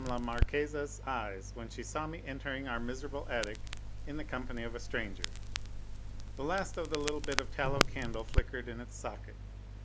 la Marquise's eyes when she saw me entering our miserable attic in the company of a stranger. The last of the little bit of tallow candle flickered in its socket.